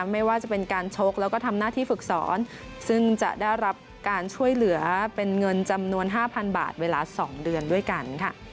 ไม่ว่าจะเป็นการชกแล้วก็ทำหน้าที่ฝึกสอนซึ่งจะได้รับการช่วยเหลือเป็นเงินจำนวน๕๐๐๐บาทเวลา๒เดือนด้วยกันค่ะ